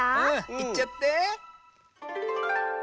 いっちゃって。